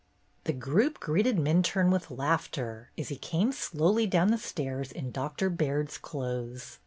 The group greeted Minturne with laughter, as he came slowly down the stairs in Doctor Baird's clothes.